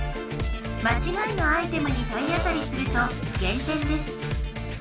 まちがいのアイテムに体当たりすると減点です。